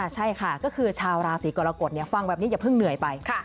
ใช่ค่ะก็คือชาวราศีกรกฎฟังแบบนี้อย่าเพิ่งเหนื่อยไป